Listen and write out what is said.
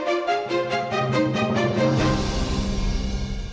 โอนไซเลียสไทย